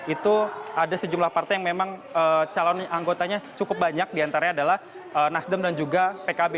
itu ada sejumlah partai yang memang calon anggotanya cukup banyak diantaranya adalah nasdem dan juga pkb